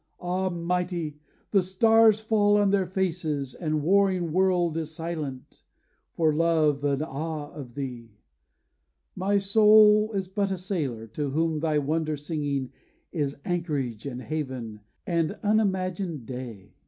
ah, mighty! the stars fall on their faces, The warring world is silent, for love and awe of thee. 'My soul is but a sailor, to whom thy wonder singing Is anchorage, and haven, and unimagined day!